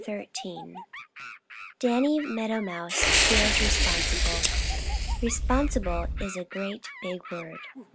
XIII DANNY MEADOW MOUSE FEELS RESPONSIBLE Responsible is a great big word.